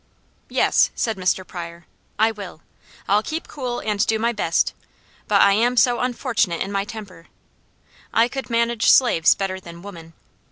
"Yes," said Mr. Pryor, "I will. I'll keep cool and do my best, but I am so unfortunate in my temper. I could manage slaves better than women.